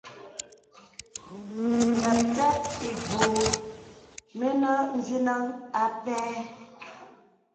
Məpɛ̂p ìbūū mìnə̀ mvinəŋ ā pɛ̂.